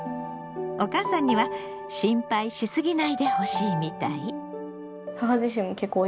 お母さんには心配し過ぎないでほしいみたい。